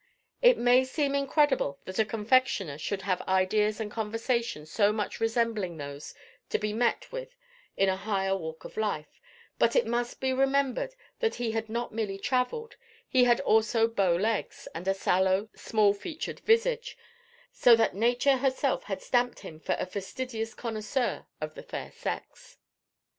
It may seem incredible that a confectioner should have ideas and conversation so much resembling those to be met with in a higher walk of life, but it must be remembered that he had not merely travelled, he had also bow legs and a sallow, small featured visage, so that nature herself had stamped him for a fastidious connoisseur of the fair sex.